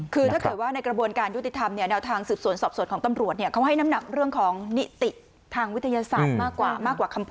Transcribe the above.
คือถ้าเกิดว่าในกระบวนการยุติธรรม